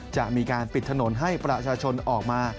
จะมีการปิดถนนให้ประชาชนออกมา